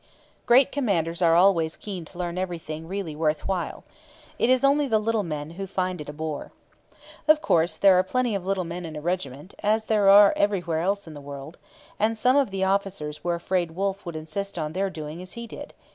Great commanders are always keen to learn everything really worth while. It is only the little men who find it a bore. Of course, there are plenty of little men in a regiment, as there are everywhere else in the world; and some of the officers were afraid Wolfe would insist on their doing as he did.